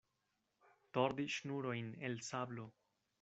Tordi ŝnurojn el sablo.